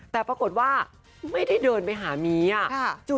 แต่ปรากฏว่าไม่ได้เดินไปหามีอ่ะ